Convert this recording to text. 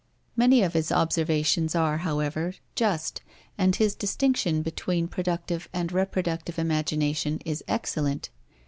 Many of his observations are, however, just, and his distinction between productive and reproductive imagination is excellent.